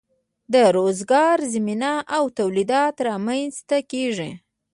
د روزګار زمینه او تولیدات رامینځ ته کیږي.